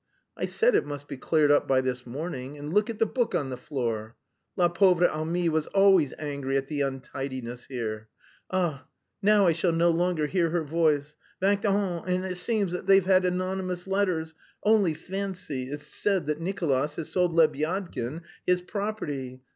I said it must be cleared up this morning, and look at the book on the floor! La pauvre amie was always angry at the untidiness here. ... Ah, now I shall no longer hear her voice! Vingt ans! And it seems they've had anonymous letters. Only fancy, it's said that Nicolas has sold Lebyadkin his property.